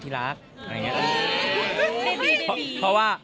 ชีวิตไม๊บี